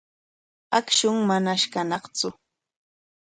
Akshun manash kañaqtsu.